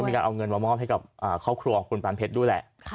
มีการเอาเงินมามอบให้กับครอบครัวของคุณปานเพชรด้วยแหละ